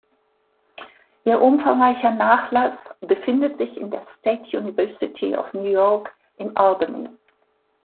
Ihr umfangreicher Nachlass befindet sich in der State University of New York in Albany.